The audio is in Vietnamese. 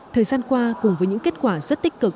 thời gian qua cùng với những kết quả rất tích cực